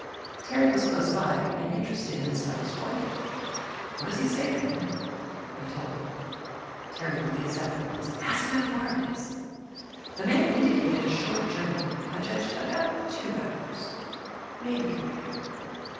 Terry was close by and interested in the fellow's pointing. "What does he say, Van?" I told him. Terry blazed up at once. "Ask him how far it is." The man indicated a short journey; I judged about two hours, maybe three.